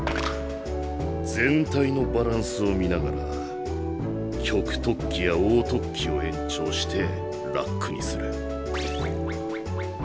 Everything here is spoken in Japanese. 全体のバランスを見ながら棘突起や横突起を延長してラックにする。